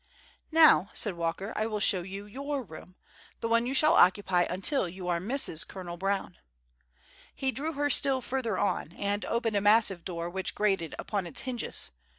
"Now," said Walker, "I will show you your room—one you shall occupy until you are Mrs. Colonel Brown." He drew her still further on, and opened a massive door, which grated upon its hinges.